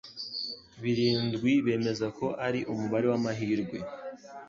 Birindwi bemeza ko ari umubare wamahirwe.